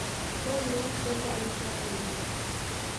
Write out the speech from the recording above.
Bu mening so‘nggi Olimpiadam bo‘ladi.